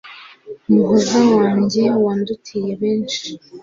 muhoza wanjye wandutiye benshi